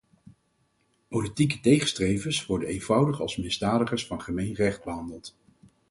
Politieke tegenstrevers worden eenvoudig als misdadigers van gemeen recht behandeld.